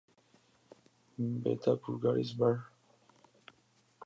Beta vulgaris var.